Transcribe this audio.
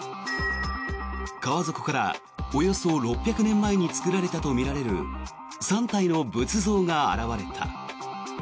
川底からおよそ６００年前に作られたとみられる３体の仏像が現れた。